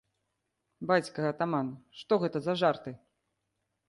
Бацька атаман, што гэта за жарты?!